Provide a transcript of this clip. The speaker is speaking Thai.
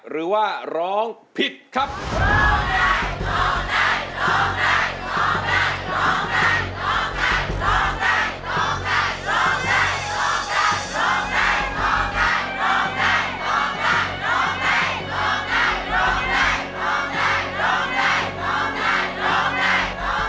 ร้องได้ร้องได้